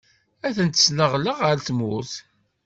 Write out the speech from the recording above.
Ad ten-sneɣleɣ ɣer tmurt.